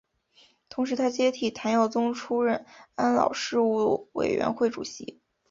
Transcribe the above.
同时他接替谭耀宗出任安老事务委员会主席。